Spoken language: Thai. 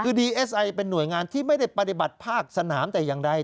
คือดีเอสไอเป็นหน่วยงานที่ไม่ได้ปฏิบัติภาคสนามแต่อย่างใด